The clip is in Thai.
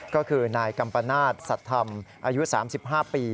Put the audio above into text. ก็คือนายกัมปนาศสัตว์ธรรมอายุ๓๕ปี